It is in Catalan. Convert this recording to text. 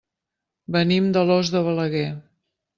Venim d'Alòs de Balaguer.